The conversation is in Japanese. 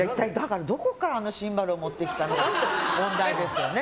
どこからあのシンバルを持ってきたか問題ですよね。